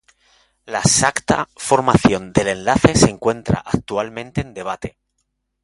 La exacta formación del enlace se encuentra actualmente en debate.